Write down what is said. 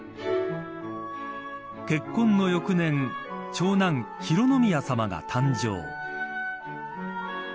結婚の翌年長男、浩宮さまが誕生。